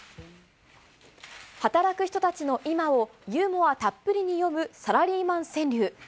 働く人たちの今を、ユーモアたっぷりに詠むサラリーマン川柳。